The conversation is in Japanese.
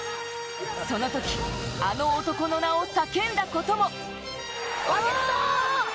その時、あの男の名を叫んだことも。